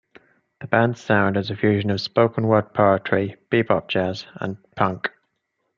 The band's sound is a fusion of spoken-word poetry, bebop jazz, and punk.